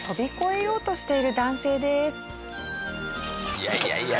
いやいやいや。